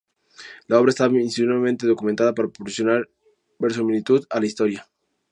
La obra está minuciosamente documentada para proporcionar verosimilitud a la historia.